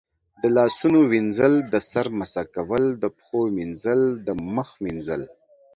د لاسونو وینځل، د سر مسح کول، د پښو مینځل، د مخ وینځل